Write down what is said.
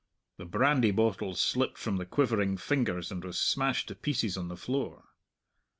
The brandy bottle slipped from the quivering fingers and was smashed to pieces on the floor.